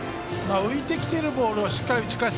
浮いてきているボールをしっかり打ち返す。